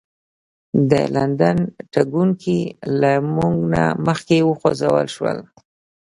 د لندن تګونکي له موږ نه مخکې وخوځول شول.